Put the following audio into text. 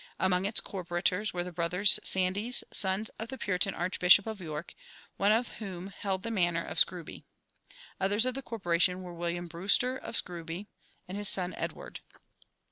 Among its corporators were the brothers Sandys, sons of the Puritan Archbishop of York, one of whom held the manor of Scrooby. Others of the corporation were William Brewster, of Scrooby, and his son Edward.